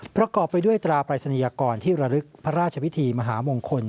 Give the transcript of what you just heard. ประกอบไปด้วยตราปรายศนียกรที่ระลึกพระราชวิธีมหามงคล